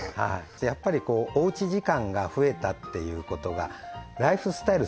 やっぱりおうち時間が増えたっていうことがライフスタイル